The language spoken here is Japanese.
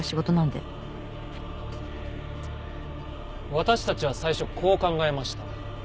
私たちは最初こう考えました。